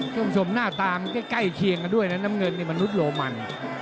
คุณผู้ชมหน้าตามันใกล้เคียงกันด้วยนะน้ำเงินในมนุษย์โรมัน